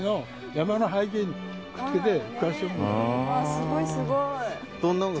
すごいすごい。